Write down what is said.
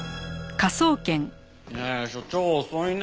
ねえ所長遅いね。